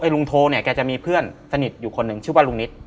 ลุงโทเนี่ยแกจะมีเพื่อนสนิทอยู่คนหนึ่งชื่อว่าลุงนิต